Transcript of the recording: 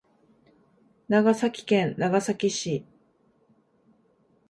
長崎県長崎市